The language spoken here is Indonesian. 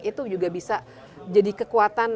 itu juga bisa jadi kekuatan